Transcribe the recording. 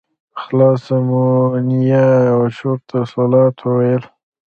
خلاصه مونيه او شروط الصلاة وويل.